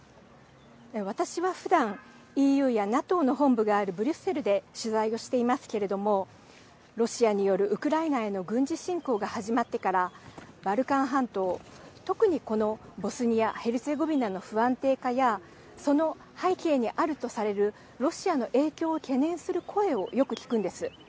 私はふだんＥＵやＮＡＴＯの本部があるブリュッセルで取材をしていますけれどもロシアによるウクライナへの軍事侵攻が始まってからバルカン半島特に、このボスニア・ヘルツェゴビナの不安定化やその背景にあるとされるロシアの影響を懸念する声をよく聞くんです。